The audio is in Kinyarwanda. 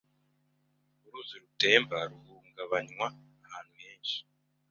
Uruzi rutemba ruhungabanywa ahantu henshi